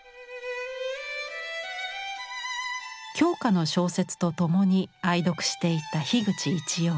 鏡花の小説とともに愛読していた樋口一葉。